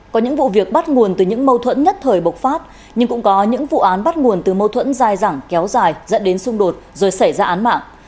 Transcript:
có những vụ việc bắt nguồn từ những mâu thuẫn nhất thời bộc phát nhưng cũng có những vụ án bắt nguồn từ mâu thuẫn dai dẳng kéo dài dẫn đến xung đột rồi xảy ra án mạng